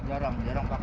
jarang jarang pake